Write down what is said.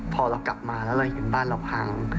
พอเรากลับมาแล้วเราเห็นบ้านเราพัง